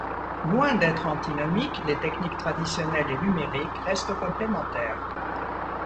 Loin d'être antinomiques les techniques traditionnelles et numériques restent complémentaires.